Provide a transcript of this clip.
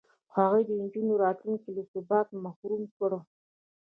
هغوی د نجونو راتلونکې له ثباته محرومه کړه.